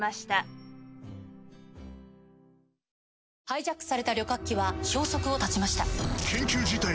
ハイジャックされた旅客機は消息を絶ちました。